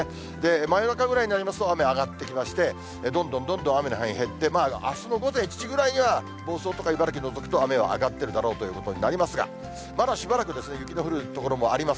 真夜中ぐらいになりますと雨は上がってきまして、どんどんどんどん雨の範囲減って、あすの午前１時ぐらいには房総とか茨城除くと、雨は上がってるだろうということになりますが、まだしばらく雪の降る所もあります。